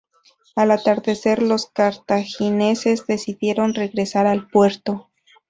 Al atardecer, los cartagineses decidieron regresar al puerto.